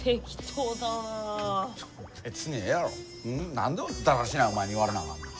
何でだらしないお前に言われなあかんねん。